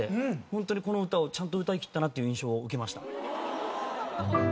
本当にこの歌をちゃんと歌いきったなっていう印象を受けました。